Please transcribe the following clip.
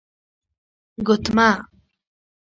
💍 ګوتمه